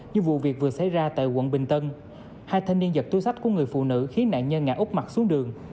như vụ việc vừa xảy ra tại quận bình tân hai thanh niên giật túi sách của người phụ nữ khiến nạn nhân ngã úp mặt xuống đường